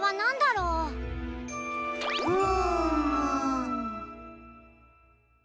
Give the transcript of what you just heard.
うん。